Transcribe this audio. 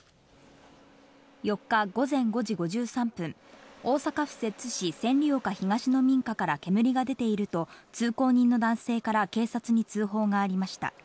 ４日午前５時５３分、大阪府摂津市千里丘東の民家から煙が出ていると、通行人の男性から警察に通報がありました。